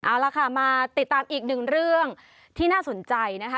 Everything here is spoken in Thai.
เอาล่ะค่ะมาติดตามอีกหนึ่งเรื่องที่น่าสนใจนะคะ